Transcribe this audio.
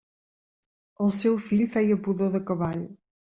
El seu fill feia pudor de cavall.